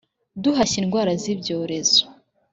duhashya indwara z’ibyorezo.